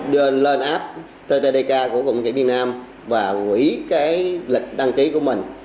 mình lên app ttdk của tp hcm và quỹ cái lịch đăng ký của mình